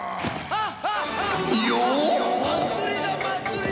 あっ！